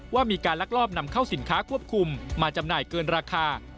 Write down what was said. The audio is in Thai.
ว่ามีการลักลอบนำเข้าสินค้าควบคุมมาจำหน่ายเกินราคา